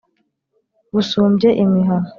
busumbye imihana.